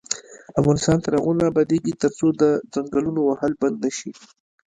افغانستان تر هغو نه ابادیږي، ترڅو د ځنګلونو وهل بند نشي.